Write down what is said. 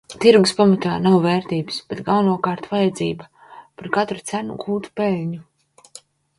Tirgus pamatā nav vērtības, bet galvenokārt vajadzība par katru cenu gūt peļņu.